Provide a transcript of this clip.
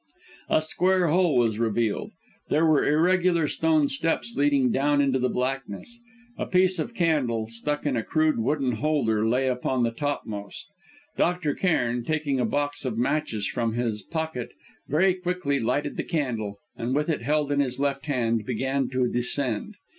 A square hole was revealed. There were irregular stone steps leading down into the blackness. A piece of candle, stuck in a crude wooden holder, lay upon the topmost. Dr. Cairn, taking a box of matches from his pocket, very quickly lighted the candle, and with it held in his left hand began to descend.